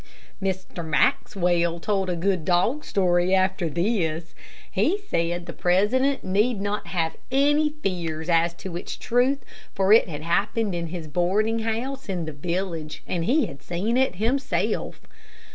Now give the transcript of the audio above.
Mr. Maxwell told a good dog story after this. He said the president need not have any fears as to its truth, for it had happened in his boarding house in the village, and he had seen it himself.